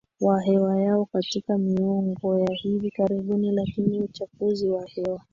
wa hewa yao katika miongo ya hivi karibuni Lakini uchafuzi wa hewa